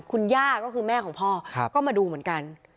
คุณย่าก็คือแม่ของพ่อก็มาดูเหมือนกัน